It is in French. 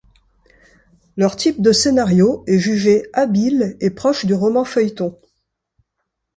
Leur type de scénario est jugé habile et proche du roman-feuilleton.